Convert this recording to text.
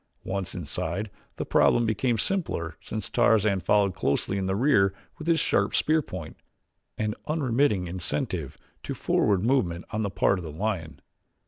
Once inside, the problem became simpler since Tarzan followed closely in the rear with his sharp spear point, an unremitting incentive to forward movement on the part of the lion.